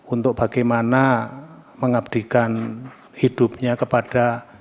untuk bagaimana mengabdikan hidupnya kepada